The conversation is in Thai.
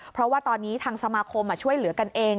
เพราะว่าตอนนี้ทางสมาคมช่วยเหลือกันเอง